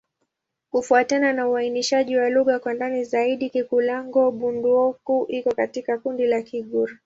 Kufuatana na uainishaji wa lugha kwa ndani zaidi, Kikulango-Bondoukou iko katika kundi la Kigur.